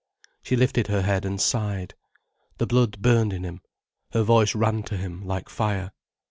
She lifted her head and sighed. The blood burned in him, her voice ran to him like fire.